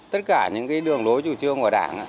tất cả những đường lối chủ trương của đảng